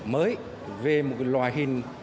mới về một loài hình